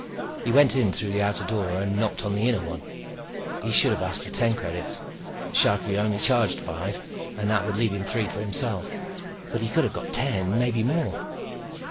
He went in through the outer door and knocked on the inner one. He should have asked for ten credits. Sharkie only charged five, and that would leave him three for himself. But he could have got ten—maybe more.